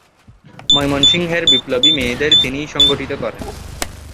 ময়মনসিংহের বিপ্লবী মেয়েদের তিনিই সংগঠিত করেন।